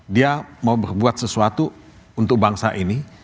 dia mau berbuat sesuatu untuk bangsa ini